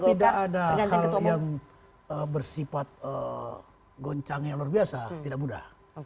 tidak ada hal yang bersifat goncang yang luar biasa tidak mudah